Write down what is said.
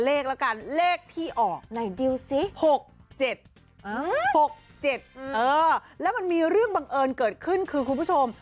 เออแล้วมันมีเรื่องบังเอิญเกิดขึ้นคือคุณผู้ชม